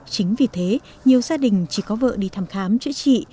chính vì thế nhiều gia đình chỉ có vợ đi thăm khám chữa trị